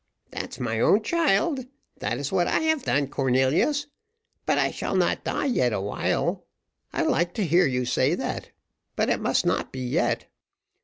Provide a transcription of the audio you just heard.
"That's my own child that is what I have done, Cornelius, but I shall not die yet awhile. I like to hear you say that; but it must not be yet.